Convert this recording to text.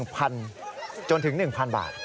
๑๐๐๐บาทจนถึง๑๐๐๐บาท